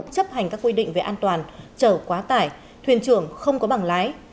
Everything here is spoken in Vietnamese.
chấp hành các quy định về an toàn chở quá tải thuyền trưởng không có bảng lái